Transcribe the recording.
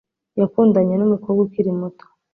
Yakundanye numukobwa ukiri muto